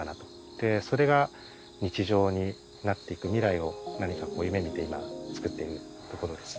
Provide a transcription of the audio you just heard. でそれが日常になっていく未来を何かこう夢見て今つくっているところです。